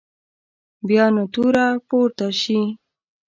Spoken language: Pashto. بیا نه توره پورته شي.